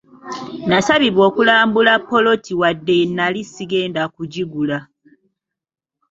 Nasabibwa okulambula ppoloti wadde nali sigenda kugigula.